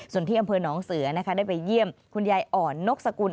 ส่วนที่อำเภอหนองเสือนะคะได้ไปเยี่ยมคุณยายอ่อนนกสกุล